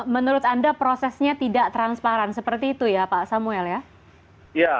menurut anda prosesnya tidak transparan seperti itu ya pak samuel ya